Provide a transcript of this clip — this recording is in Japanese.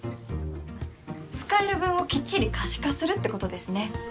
使える分をきっちり可視化するってことですね。